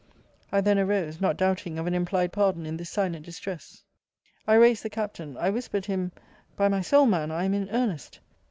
I then arose, not doubting of an implied pardon in this silent distress. I raised the Captain. I whispered him by my soul, man, I am in earnest.